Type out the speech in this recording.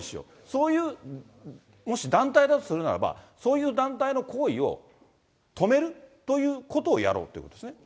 そういうもし団体だとするならば、そういう団体の行為を止めるということをやろうということですね。